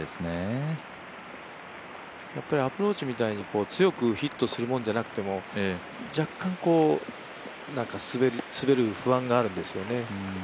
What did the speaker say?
アプローチみたいに強くヒットするものじゃなくても若干滑る不安があるんですよね。